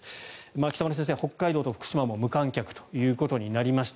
北村先生、北海道と福島も無観客ということになりました。